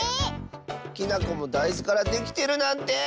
きなこもだいずからできてるなんて！